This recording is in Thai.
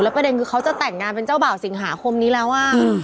ประเด็นคือเขาจะแต่งงานเป็นเจ้าบ่าวสิงหาคมนี้แล้ว